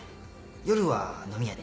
夜は飲み屋で。